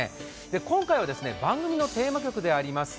今回は番組のテーマ曲であります